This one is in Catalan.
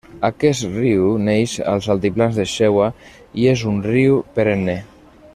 Aquest riu neix als altiplans de Shewa i és un riu perenne.